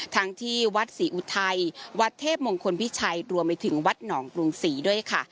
ที่วัดศรีอุทัยวัดเทพมงคลพิชัยรวมไปถึงวัดหนองกรุงศรีด้วยค่ะ